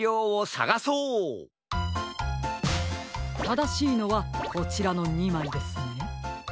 ただしいのはこちらの２まいですね。